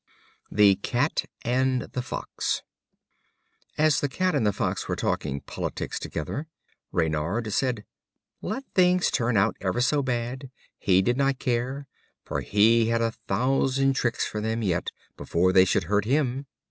The Cat and the Fox. As the Cat and the Fox were talking politics together, Reynard said: "Let things turn out ever so bad, he did not care, for he had a thousand tricks for them yet, before they should hurt him."